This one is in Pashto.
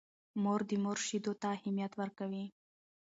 مور د مور شیدو ته اهمیت ورکوي.